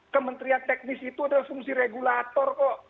kementerian teknis itu adalah fungsi regulator kok